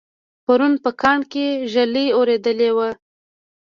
پرون په کاڼ کې ږلۍ اورېدلې وه